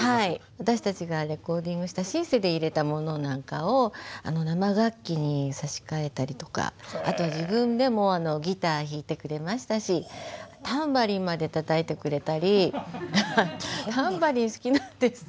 私たちがレコーディングしたシンセで入れたものなんかを生楽器に差し替えたりとかあとは自分でもギター弾いてくれましたしタンバリンまでたたいてくれたりタンバリン好きなんです。